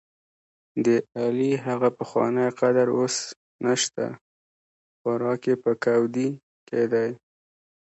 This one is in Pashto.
دعلي هغه پخوانی قدر اوس نشته، خوراک یې په کودي کې دی.